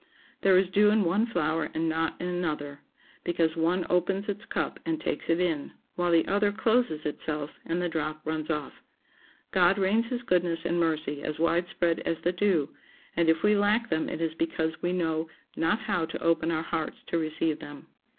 There is dew in one flower and not in another, because one opens its cup and takes it in, while the other closes itself and the drop runs off. God rains his goodness and mercy as widespread as the dew, and if we lack them it is because we know not how to open our hearts to receive them.